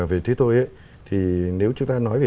về thế tôi nếu chúng ta nói về